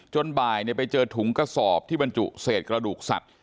บ่ายไปเจอถุงกระสอบที่บรรจุเศษกระดูกสัตว์